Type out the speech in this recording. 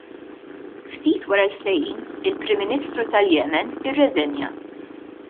Ftit wara l-ftehim, il-Prim Ministru tal-Yemen irreżenja.